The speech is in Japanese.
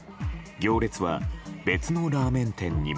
行列は別のラーメン店にも。